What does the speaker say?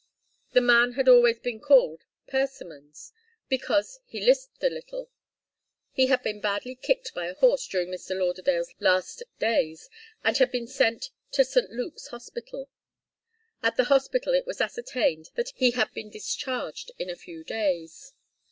The man had always been called Persimmons, because he lisped a little. He had been badly kicked by a horse during Mr. Lauderdale's last days, and had been sent to St. Luke's Hospital. At the hospital it was ascertained that he had been discharged in a few days.